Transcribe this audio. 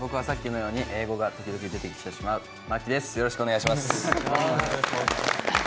よろしくお願いします。